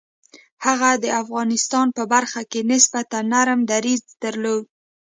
هغه د افغانستان په برخه کې نسبتاً نرم دریځ درلود.